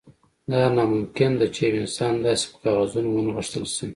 دا ناممکن ده چې یو انسان داسې په کاغذونو ونغښتل شي